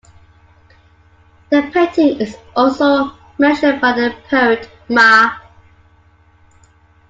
The painting is also mentioned by the poet Ma.